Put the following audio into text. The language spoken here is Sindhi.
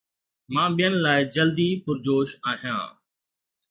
مان ٻين لاءِ جلدي پرجوش آهيان